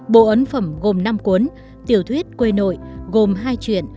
bộ ấn phẩm gồm năm cuốn tiểu thuyết quê nội gồm hai chuyện